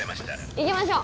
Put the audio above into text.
いきましょう。